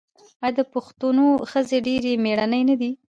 آیا د پښتنو ښځې ډیرې میړنۍ نه دي؟